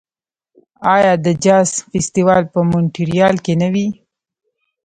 آیا د جاز فستیوال په مونټریال کې نه وي؟